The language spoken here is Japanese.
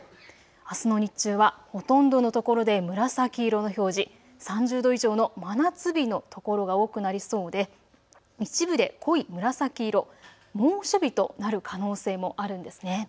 あすの日中はほとんどの所で紫色の表示、３０度以上の真夏日の所が多くなりそうで一部で濃い紫色、猛暑日となる可能性もあるんですね。